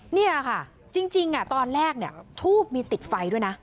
นี่แหละค่ะจริงจริงอ่ะตอนแรกเนี้ยทูบมีติดไฟด้วยน่ะ